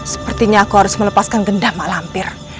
sepertinya aku harus melepaskan gendama lampir